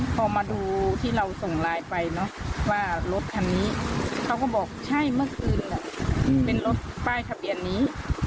พอมาดูที่เราส่งไลน์ไปเนอะว่ารถคันนี้เขาก็บอกใช่เมื่อคืนแหละเป็นรถป้ายทะเบียนนี้